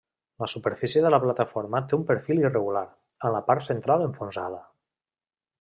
La superfície de la plataforma té un perfil irregular, amb la part central enfonsada.